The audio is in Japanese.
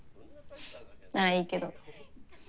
ならいいけど。